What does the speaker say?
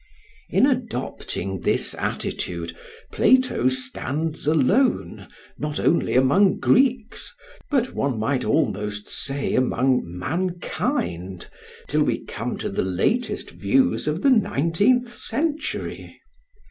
] In adopting this attitude Plato stands alone not only among Greeks, but one might almost say, among mankind, till we come to the latest views of the nineteenth century.